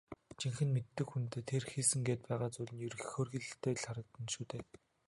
Жинхэнэ мэддэг хүндээ тэр хийсэн гээд байгаа зүйл нь хөөрхийлөлтэй л харагдана шүү дээ.